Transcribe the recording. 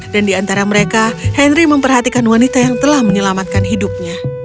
dan di antara mereka henry memperhatikan wanita yang telah menyelamatkan hidupnya